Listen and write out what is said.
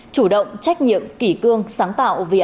chủ động trách nhiệm kỷ cương sáng tạo